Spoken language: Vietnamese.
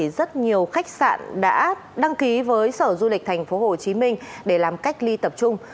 rất nhiều khách sạn đã đăng ký với sở du lịch tp hcm để làm cách ly tập trung